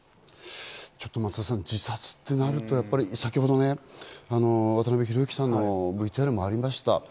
松田さん、自殺となると先ほどね、渡辺裕之さんのＶＴＲもありました。